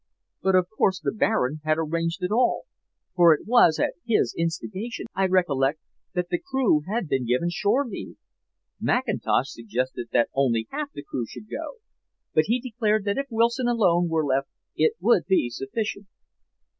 But of course the Baron had arranged it all, for it was at his instigation, I recollect, that the crew had been given shore leave. Mackintosh suggested that only half the crew should go, but he declared that if Wilson alone were left it would be sufficient."